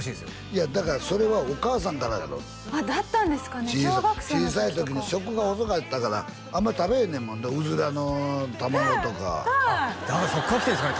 いやだからそれはお母さんからやろ？だったんですかね小学生の時とか小さい時に食が細かったからあんまり食べへんねんもんうずらの卵とかはいはいそっから来てるんですかね？